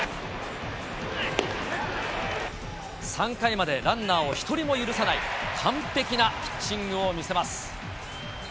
３回までランナーを１人を許さない完璧なピッチングを見せます。